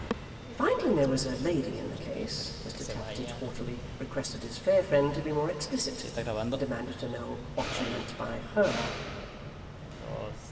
Finding there was a lady in the case, Mr Tappertit haughtily requested his fair friend to be more explicit, and demanded to know what she meant by 'her.